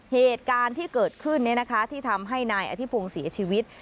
เหตุการณ์ที่เกิดขึ้นที่ทำให้นายอธิพงศ์เสียชีวิต